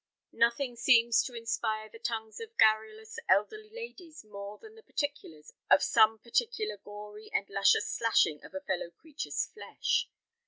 Nothing seems to inspire the tongues of garrulous elderly ladies more than the particulars of some particular gory and luscious slashing of a fellow creature's flesh.